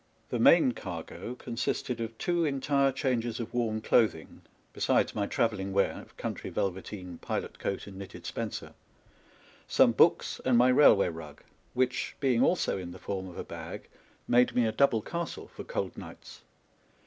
The main cargo consisted of two entire changes of warm clothing — besides my travelling wear of country velveteen, pilot coat, and knitted spencer — some books, and my railway rug, which, being also in the form of a bag, made me a double castle for cold nights.